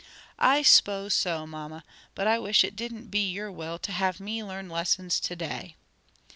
"I s'pose so, mamma. But I wish it didn't be your will to have me learn lessons to day."